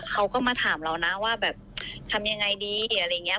เขาก็มาถามเรานะว่าแบบทำยังไงดีอะไรอย่างนี้